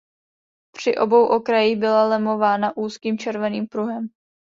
Při obou okrajích byla lemována úzkým červeným pruhem.